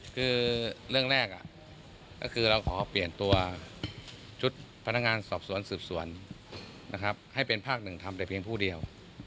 คือเรื่องแรกก็คือเราขอเปลี่ยนตัวชุดพนักงานสอบสวนสืบสวนนะครับให้เป็นภาคหนึ่งทำแต่เพียงผู้เดียว